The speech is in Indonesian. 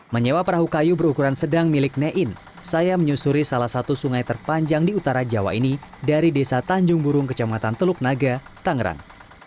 menyewa perahu kayu berukuran sedang milik nein saya menyusuri salah satu sungai terpanjang di utara jawa ini dari desa tanjung burung kecamatan teluk naga tangerang